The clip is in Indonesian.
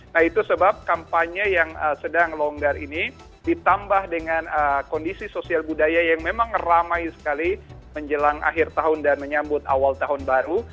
nah itu sebab kampanye yang sedang longgar ini ditambah dengan kondisi sosial budaya yang memang ramai sekali menjelang akhir tahun dan menyambut awal tahun baru